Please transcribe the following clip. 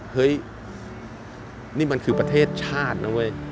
เฮ้ยนี่มันคือประเทศชาตินะเว้ย